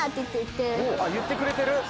言ってくれてる？